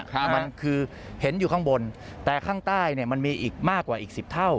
มันคือเห็นอยู่ข้างบนแต่ข้างใต้มันมีมากกว่าอีก๑๐เท่า